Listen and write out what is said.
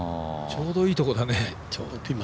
ちょうどいいところだね。